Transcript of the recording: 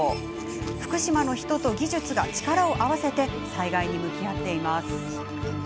福島の人と技術が力を合わせ災害に向き合っています。